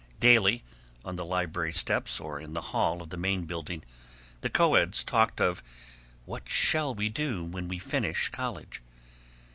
Daily, on the library steps or in the hall of the Main Building, the co eds talked of "What shall we do when we finish college?"